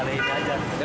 dengan siapa namanya pak